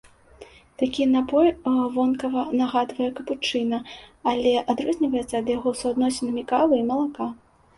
Такі напой вонкава нагадвае капучына, але адрозніваецца ад яго суадносінамі кавы і малака.